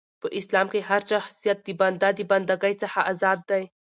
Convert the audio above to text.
په اسلام کښي هرشخصیت د بنده د بنده ګۍ څخه ازاد دي .